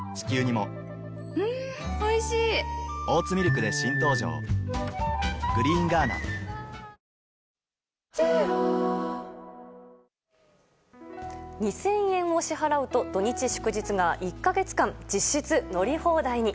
「クラフトボス」２０００円を支払うと土日祝日が１か月間、実質乗り放題に。